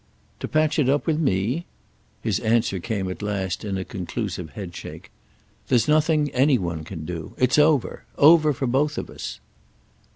"To patch it up with me?" His answer came at last in a conclusive headshake. "There's nothing any one can do. It's over. Over for both of us."